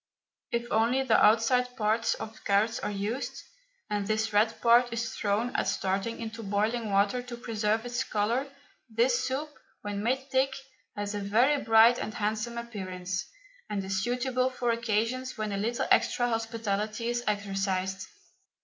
If only the outside parts of carrots are used, and this red part is thrown, at starting, into boiling water to preserve its colour, this soup, when made thick, has a very bright and handsome appearance, and is suitable for occasions when a little extra hospitality is exercised.